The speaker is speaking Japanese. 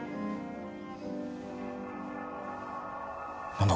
何だ！？